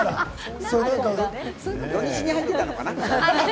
土日になったのかな？